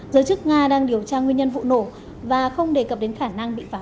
giới chức nga đang điều tra nguyên nhân vụ nổ và không đề cập đến khả năng bị phá hủy